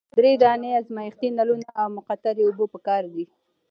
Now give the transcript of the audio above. دری دانې ازمیښتي نلونه او مقطرې اوبه پکار دي.